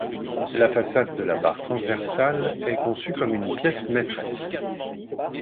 La façade de la barre transversale est conçue comme une pièce maîtresse.